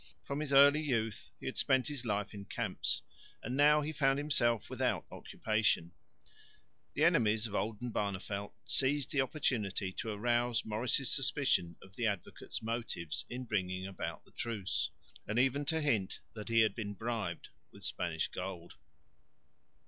From his early youth he had spent his life in camps, and now he found himself without occupation. The enemies of Oldenbarneveldt seized the opportunity to arouse Maurice's suspicions of the Advocate's motives in bringing about the truce, and even to hint that he had been bribed with Spanish gold.